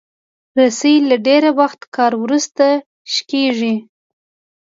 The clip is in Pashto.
رسۍ له ډېر وخت کار وروسته شلېږي.